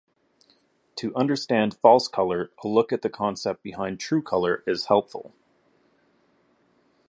To understand false color, a look at the concept behind true color is helpful.